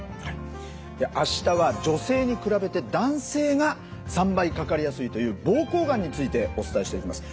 明日は女性に比べて男性が３倍かかりやすいという膀胱がんについてお伝えしていきます。